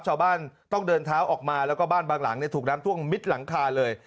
ชาวบ้านต้องเดินเท้าออกมาแล้วก็บ้านบางหลังถูกน้ำท่วมมิดหลังคาเลย